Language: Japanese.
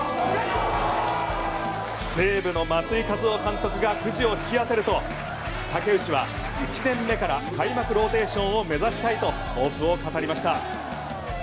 西武の松井稼頭央監督がくじを引き当てると武内は１年目から開幕ローテーションを目指したいと抱負を語りました。